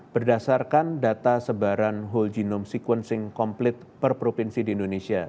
berdasarkan data sebaran whole genome sequencing complete per provinsi di indonesia